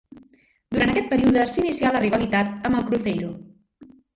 Durant aquest període s'inicià la rivalitat amb el Cruzeiro.